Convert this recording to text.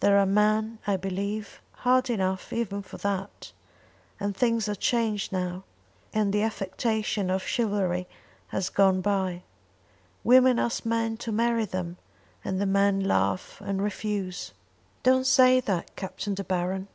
There are men, I believe, hard enough even for that; and things are changed now, and the affectation of chivalry has gone bye. Women ask men to marry them, and the men laugh and refuse." "Don't say that, Captain De Baron."